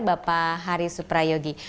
bapak hari supra yogi